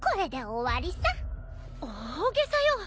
大げさよ。